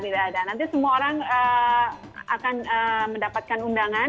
nanti semua orang akan mendapatkan undangan